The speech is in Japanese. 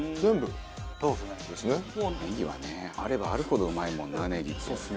ネギはねあればあるほどうまいもんなネギって。